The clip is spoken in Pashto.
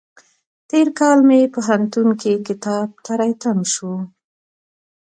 تېر کال مې په پوهنتون کې کتاب تری تم شو.